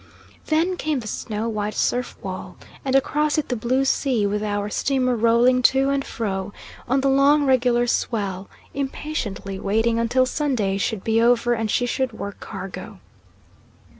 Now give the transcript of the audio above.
Then came the snow white surf wall, and across it the blue sea with our steamer rolling to and fro on the long, regular swell, impatiently waiting until Sunday should be over and she could work cargo.